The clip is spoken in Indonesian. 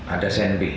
ada senti juga sih